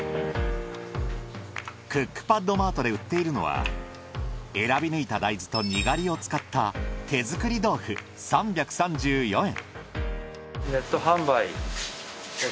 クックパッドマートで売っているのは選び抜いた大豆とにがりを使った手作り豆腐３３４円。